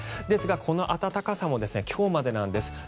ですが、この暖かさも今日までなんです。